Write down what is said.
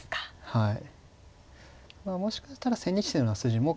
はい。